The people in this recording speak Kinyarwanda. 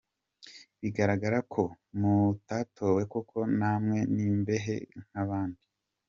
bigargara ko mutatowe koko namwe n’imbehe nk’abandi.